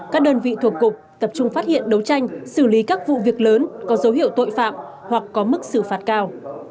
các đơn vị thuộc cục tập trung phát hiện đấu tranh xử lý các vụ việc lớn có dấu hiệu tội phạm hoặc có mức xử phạt cao